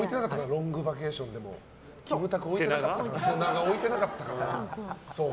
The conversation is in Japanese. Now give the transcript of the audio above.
「ロングバケーション」でもキムタク瀬名が置いてなかった？